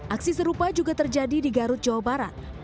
aksi serupa juga terjadi di garut jawa barat